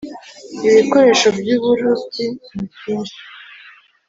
Ibikoresho by ‘uburobyi nibyishi.